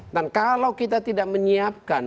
dan kalau kita tidak menyiapkan